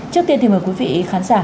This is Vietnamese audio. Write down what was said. trước tiên thì mời quý vị khán giả